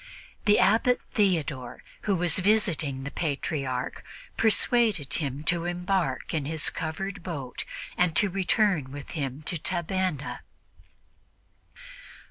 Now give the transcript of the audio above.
The Abbot Theodore, who was visiting the Patriarch, persuaded him to embark in his covered boat and to return with him to Tabenna.